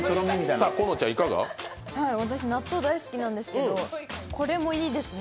私、納豆大好きなんですけどこれもいいですね。